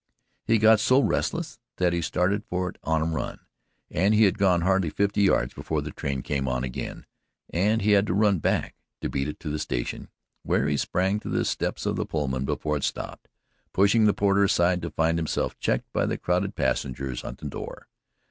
He got so restless that he started for it on a run and he had gone hardly fifty yards before the train came on again and he had to run back to beat it to the station where he sprang to the steps of the Pullman before it stopped pushing the porter aside to find himself checked by the crowded passengers at the door.